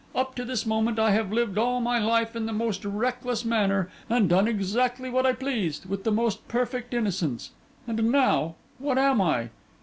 Up to this moment, I have lived all my life in the most reckless manner, and done exactly what I pleased, with the most perfect innocence. And now—what am I?